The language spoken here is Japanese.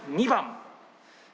２番？